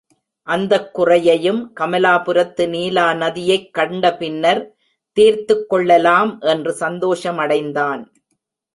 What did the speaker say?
அந்தக் குறையையும், கமலாபுரத்து நீலாநதியைக் கண்டபின்னர் தீர்த்துக் கொள்ளலாம் என்று சந்தோஷமடைந்தான்.